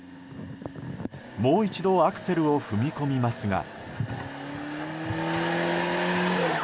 もう一度アクセルを踏み込みますが。